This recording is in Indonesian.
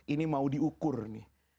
ini mau diukur nih